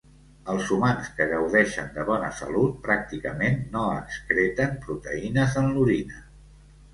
Els humans que gaudeixen de bona salut pràcticament no excreten proteïnes en l'orina.